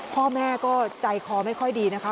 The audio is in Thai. พ่อแม่ก็ใจคอไม่ค่อยดีนะคะ